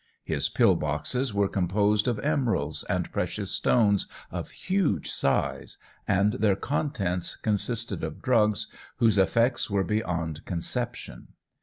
His pill boxes were composed of emeralds and precious stones of huge size, and their contents consisted of drugs, whose effects were beyond conception.